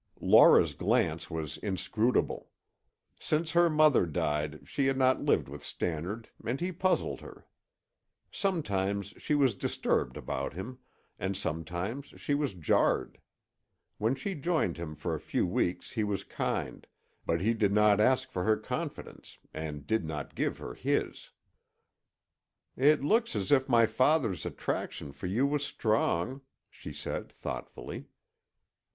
Laura's glance was inscrutable. Since her mother died she had not lived with Stannard and he puzzled her. Sometimes she was disturbed about him, and sometimes she was jarred. When she joined him for a few weeks he was kind, but he did not ask for her confidence and did not give her his. "It looks as if my father's attraction for you was strong," she said thoughtfully.